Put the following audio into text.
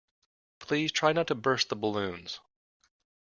Please try not to burst the balloons